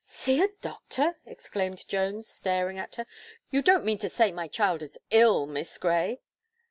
"See a doctor!" exclaimed Jones, staring at her. "You don't mean to say my child is ill, Miss Gray?"